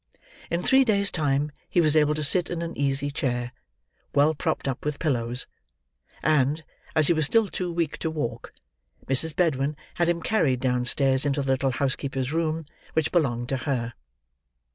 In three days' time he was able to sit in an easy chair, well propped up with pillows; and, as he was still too weak to walk, Mrs. Bedwin had him carried downstairs into the little housekeeper's room, which belonged to her.